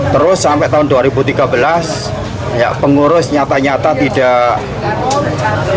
terus sampai tahun dua ribu tiga belas pengurus nyata nyata tidak